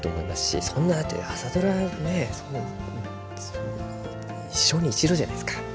そんなだって「朝ドラ」ね一生に一度じゃないですか。